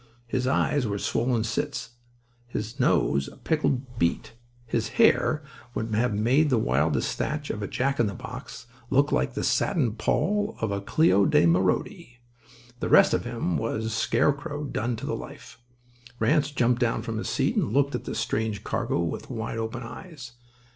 His eyes were swollen slits; his nose a pickled beet; his hair would have made the wildest thatch of a Jack in the box look like the satin poll of a Cléo de Mérode. The rest of him was scarecrow done to the life. Ranse jumped down from his seat and looked at his strange cargo with wide open eyes.